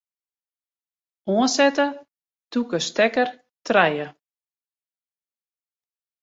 Oansette tûke stekker trije.